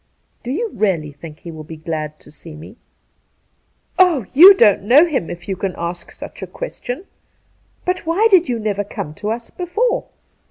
' Do you really think he will be glad to see me?' ' Oh, you don't know him if you can ask such a question. But why did you never come to us before